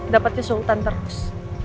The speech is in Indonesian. dapetnya sultan terus